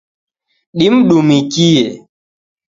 Dimdumikie